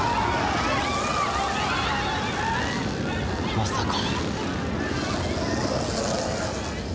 まさか！